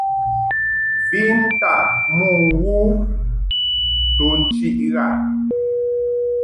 Ven taʼ mo wo nto nchiʼ ghaʼ.